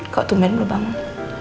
kok tuh men belum bangun